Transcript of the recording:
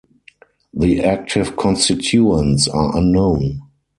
The active constituents are unknown.